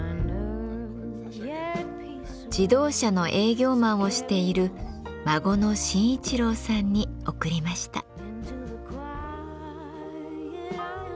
自動車の営業マンをしている孫の真一郎さんに贈りました。